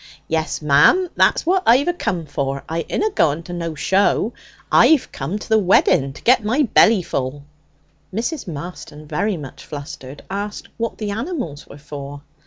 'Yes, mum. That's what I've acome for. I inna going to no show. I've come to the wedding to get my belly full.' Mrs. Marston, very much flustered, asked what the animals were for.